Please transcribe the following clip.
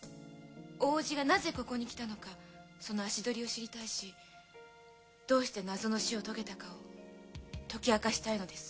大おじがなぜここに来たのかその足取りを知りたいしどうして謎の死を遂げたかを解き明かしたいのです。